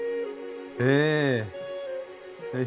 ええ。